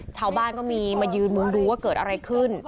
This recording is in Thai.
ชาวบ้านก็มีมายืนมุงดูว่าเกิดอะไรขึ้น